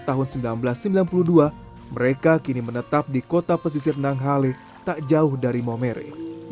tahun seribu sembilan ratus sembilan puluh dua mereka kini menetap di kota pesisir nanghale tak jauh dari momere